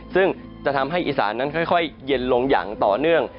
ซึ่งจะทำให้อีสานนั้นค่อยเย็นลงอย่างต่อเนื่อง